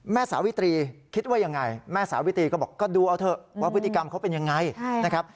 สาวิตรีคิดว่ายังไงแม่สาวิตรีก็บอกก็ดูเอาเถอะว่าพฤติกรรมเขาเป็นยังไงนะครับ